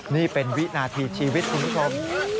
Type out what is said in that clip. นี่เป็นวินาทีชีวิตสุนสม